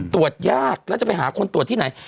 ตรวจยากแล้วจะไปหาคนตรวจที่ไหน